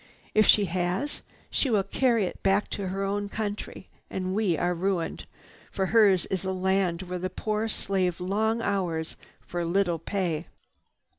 If she has, she will carry it back to her own country and we are ruined, for hers is a land where the poor slave long hours for little pay."